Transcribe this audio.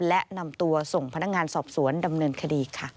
และนำตัวส่งพนักงานสอบสวนดำเนินคดีค่ะ